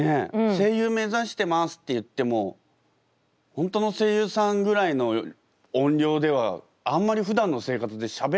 「声優めざしてます」って言っても本当の声優さんぐらいの音量ではあんまりふだんの生活でしゃべらないですもんね。